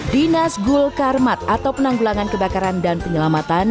dinas gulkar mat atau penanggulangan kebakaran dan penyelamatan